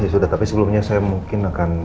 jadi sudah tapi sebelumnya saya mungkin akan